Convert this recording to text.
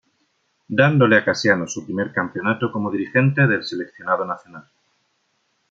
Dándole a Casiano su primer campeonato como dirigente del Seleccionado Nacional.